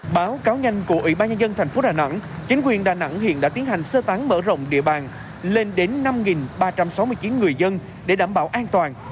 báo cáo nhanh của ủy ban nhân dân thành phố đà nẵng chính quyền đà nẵng hiện đã tiến hành sơ tán mở rộng địa bàn lên đến năm ba trăm sáu mươi chín người dân để đảm bảo an toàn